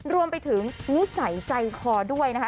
รวมไปถึงนิสัยใจคอด้วยนะคะ